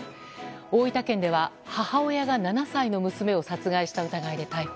大分県では母親が７歳の娘を殺害した疑いで逮捕。